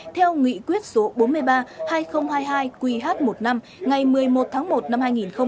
theo nghị quyết số bốn mươi ba hai nghìn hai mươi hai qh một mươi năm ngày một mươi một tháng một năm hai nghìn hai mươi